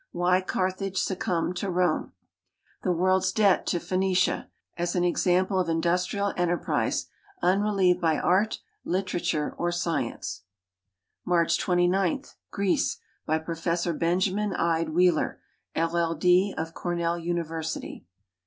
Why Carthage succumbed to Rome. The world's debt to Phoenicia, as an example of industrial enterprise, unrelieved by art, litei'ature, or science. March 29. Greece, by Professor Benja.min Ide Wheeler, LL. D., of Cornell University.